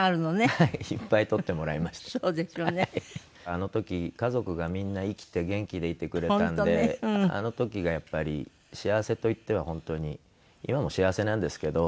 あの時家族がみんな生きて元気でいてくれたのであの時がやっぱり幸せと言っては本当に今も幸せなんですけど。